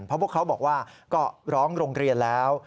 เพราะพวกเขาบอกว่าก็ร้องโรงเรียนแล้ว